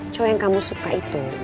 coba yang kamu suka itu